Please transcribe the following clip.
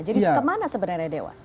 jadi kemana sebenarnya dewas